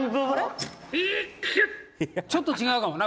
茶：「ちょっと違うかもな」